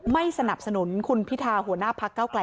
ไม่สนับสนุนคุณพิทาหัวหน้า